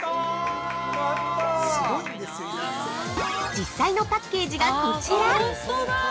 ◆実際のパッケージがこちら。